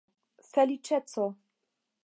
feliĉeco